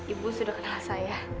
ibu sudah kenal saya